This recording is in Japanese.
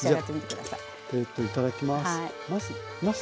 いただきます。